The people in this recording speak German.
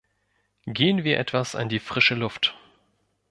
Gehen wir etwas an die frische Luft.